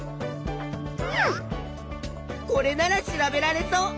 これなら調べられそう。